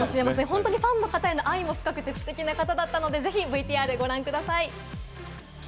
本当にファンへの愛もたくさんのステキな方だったので、ＶＴＲご覧ください。